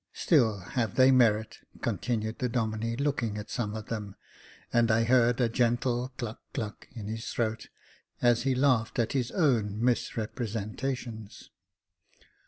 Still have they merit," con tinued the Domine, looking at some of them ; and I heard a gentle cluch, cluck, in his throat, as he laughed at his own OTzV representations.